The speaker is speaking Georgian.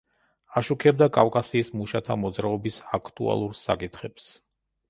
აშუქებდა კავკასიის მუშათა მოძრაობის აქტუალურ საკითხებს.